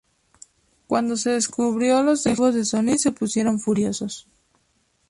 Cuando se descubrió, los ejecutivos de Sony se pusieron furiosos.